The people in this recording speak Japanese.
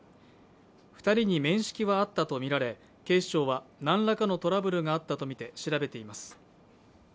２人に面識はあったとみられ警視庁は何らかのトラブルがあったとみて調べています。